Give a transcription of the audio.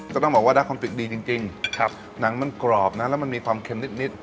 ต้องบอกว่าได้คอนติกดีจริงหนังมันกรอบนะแล้วมันมีความเค็มนิด